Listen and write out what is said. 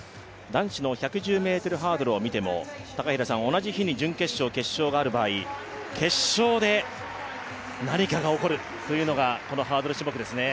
男子の１１０ｍハードルを見ても、同じ日に準決勝、決勝がある場合、決勝で何かが起こるというのがこのハードル種目ですね。